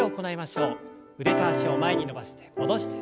腕と脚を前に伸ばして戻して。